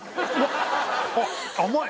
あっ甘い？